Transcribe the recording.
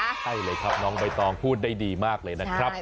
ใช่เลยครับน้องใบตองพูดได้ดีมากเลยนะครับ